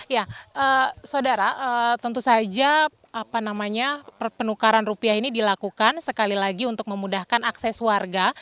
ya saudara tentu saja penukaran rupiah ini dilakukan sekali lagi untuk memudahkan akses warga